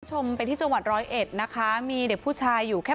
คุณผู้ชมไปที่จังหวัดร้อยเอ็ดนะคะมีเด็กผู้ชายอยู่แค่